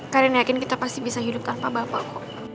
karena yakin kita pasti bisa hidup tanpa bapak